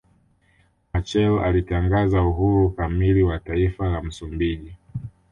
Machel alitangaza uhuru kamili wa taifa la Msumbiji